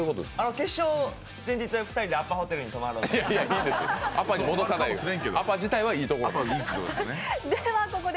決勝前日は２人でアパホテルに泊まるんで。